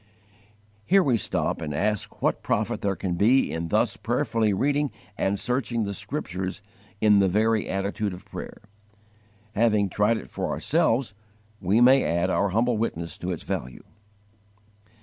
Here we stop and ask what profit there can be in thus prayerfully reading and searching the Scriptures in the very attitude of prayer. Having tried it for ourselves, we may add our humble witness to its value.